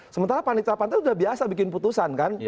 sementara panitra pantai sudah biasa bikin putusan kan